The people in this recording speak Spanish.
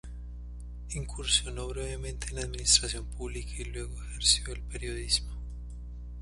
Incursionó brevemente en la administración pública y luego ejerció el periodismo.